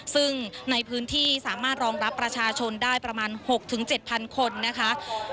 ซึ่งในพื้นที่สามารถรองรับประชาชนได้ประมาณ๖๗๐๐คนนะคะ